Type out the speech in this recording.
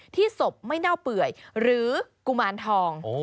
ศพไม่เน่าเปื่อยหรือกุมารทอง